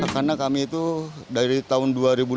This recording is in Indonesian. karena kami itu dari tahun dua ribu delapan belas